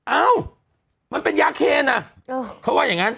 เอ้ามันเป็นยาเคนอ่ะเขาว่าอย่างนั้น